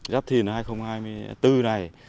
giáp thìn hai nghìn hai mươi bốn này